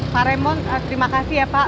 pak remon terima kasih ya pak